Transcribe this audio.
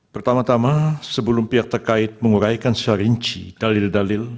pertama tama sebelum pihak terkait menguraikan secara rinci dalil dalil